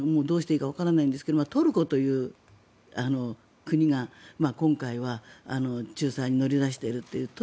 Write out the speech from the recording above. どうしていいかわからないんですがトルコという国が今回は仲裁に乗り出しているという。